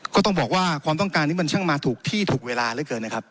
ก็ต้องบอกว่าความต้องการนี้มันช่างมาถูกที่ถูกเวลาเหลือเกินนะครับ